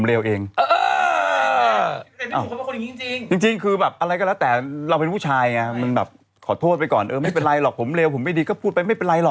เธอไกลไปละแต่เราเป็นผู้ชายขอโทษไปก่อนมันไม่เป็นไรหรอกผมก็ชีวิตถูกไม่ดี